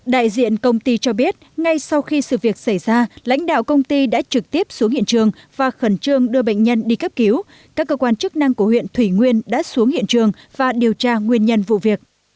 đại diện công ty cho biết ngay sau khi sự việc xảy ra lãnh đạo công ty đã trực tiếp xuống hiện trường và khẩn trương đưa bệnh nhân đi cấp cứu các cơ quan chức năng của huyện thủy nguyên đã xuống hiện trường và điều tra nguyên nhân vụ việc